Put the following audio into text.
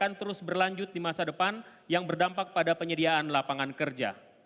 dan akan terus berlanjut di masa depan yang berdampak pada penyediaan lapangan kerja